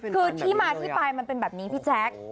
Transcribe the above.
คือที่มาที่ไปมันเป็นแบบนี้พี่แจ๊ค